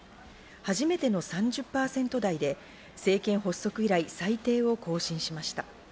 初めての３０％台で、政権発足以来、最低を更新しました。